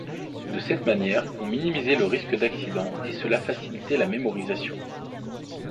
De cette manière, on minimisait le risque d'accidents et cela facilitait la mémorisation.